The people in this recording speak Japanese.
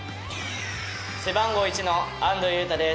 背番号１の安藤優太です。